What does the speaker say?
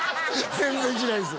全然しないです